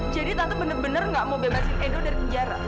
jadi tante bener bener gak mau bebasin edo dari penjara